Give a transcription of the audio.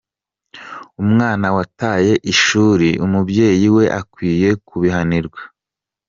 Umwana wataye ishuri, umubyeyi we akwiye kubihanirwa.